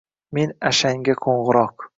Men Ashanga qo'ng'iroq